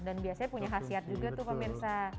dan biasanya punya khasiat juga tuh pemirsa